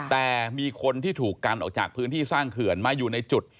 แต่มีคนที่ถูกกันออกจากพื้นที่สร้างเขื่อนมาอยู่ในจุด